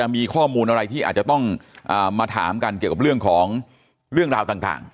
มีข้อมูลอะไรที่อาจจะต้องมาถามกันเกี่ยวกับเรื่องของเรื่องราวต่าง